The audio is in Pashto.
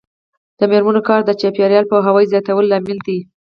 د میرمنو کار د چاپیریال پوهاوي زیاتولو لامل دی.